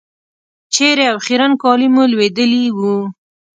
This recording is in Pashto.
چېرې او خیرن کالي مو لوېدلي وو.